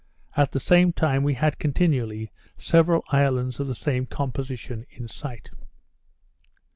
at the same time we had continually several islands of the same composition in sight.